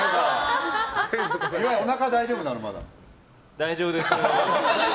大丈夫です。